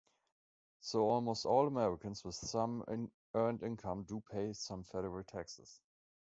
So almost all Americans with some earned income do pay some federal taxes.